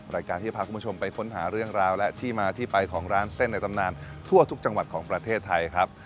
รายการที่จะพาคุณผู้ชมไปค้นหาเรื่องราวและที่มาที่ไปของร้านเส้นในตำนานทั่วทุกจังหวัดของประเทศไทยครับ